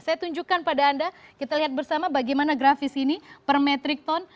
saya tunjukkan pada anda kita lihat bersama bagaimana grafis ini per metrik ton